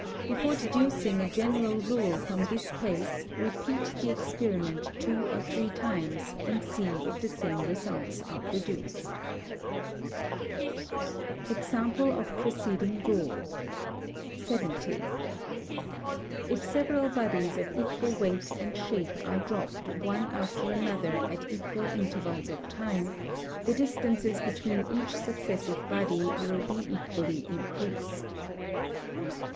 Before deducing a general rule from this case repeat the experiment two or three times and see if the same results are produced. [Sidenote: Example of preceding Rule] 70. It several bodies of equal weight and shape are dropped one after another at equal intervals of time, the distances between each successive body will be equally increased.